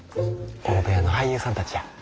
大部屋の俳優さんたちや。